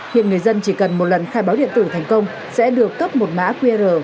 hiện người dân chỉ cần một lần khai báo điện tử thành công sẽ được cấp một mã qr